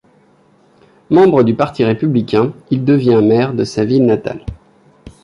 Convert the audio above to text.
Membre du parti républicain, il devient maire de sa ville natale.